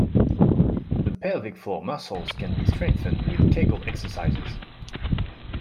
The pelvic floor muscles can be strengthened with Kegel exercises.